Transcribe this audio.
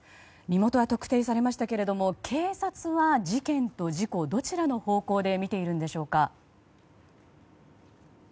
身元は特定されましたが警察は事件と事故、どちらの方向で見ているのでしょうか。